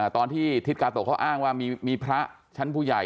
ตอนที่ทิศกาโตะเขาอ้างว่ามีพระชั้นผู้ใหญ่